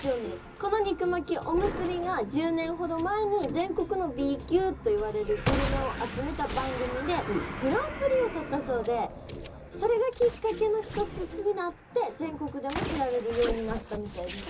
この肉巻きおむすびが１０年ほど前に全国のＢ級といわれるグルメを集めた番組でグランプリを取ったそうでそれがきっかけの一つになって全国でも知られるようになったみたいです。